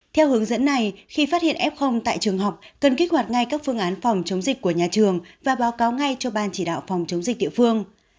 theo hướng dẫn này khi phát hiện f tại trường học cần kích hoạt ngay các phương án phòng chống dịch của nhà trường và báo cáo ngay cho ban chỉ đạo phòng chống dịch địa phương